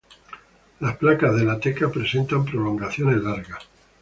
Las placas de la teca presentan prolongaciones largas.